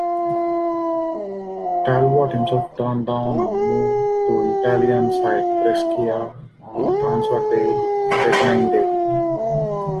Talbot himself turned down a move to Italian side Brescia on transfer deadline day.